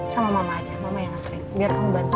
sama mama aja mama yang nganterin biar kamu bantu